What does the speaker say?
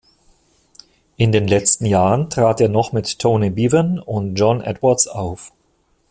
In den letzten Jahren trat er noch mit Tony Bevan und John Edwards auf.